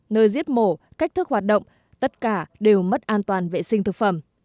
nơi giết mổ cách thức hoạt động tất cả đều mất an toàn vệ sinh thực phẩm